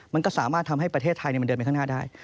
มันก็สามารถทำให้ประเทศไทยมันเดินไปข้างหน้าได้